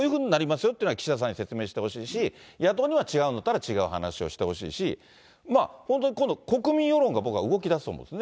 よって、岸田さんに説明してほしいし、野党には違うんだったら、違う話をしてほしいし、まあ、本当に今度、国民世論が動きだすと思うんですよね。